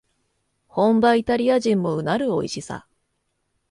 本場イタリア人もうなるおいしさ